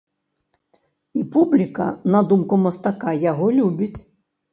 І публіка, на думку мастака, яго любіць.